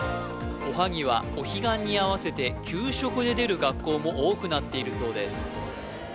おはぎはお彼岸に合わせて給食で出る学校も多くなっているそうです